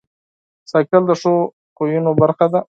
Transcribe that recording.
بایسکل د ښو عادتونو برخه ده.